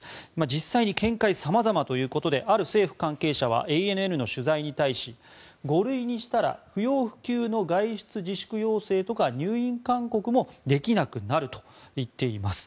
実際に見解は様々ということである政府関係者はＡＮＮの取材に対し５類にしたら不要不急の外出自粛要請とか入院勧告もできなくなると言っています。